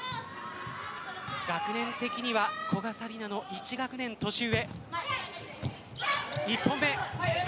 学年的には古賀紗理那の１学年年上。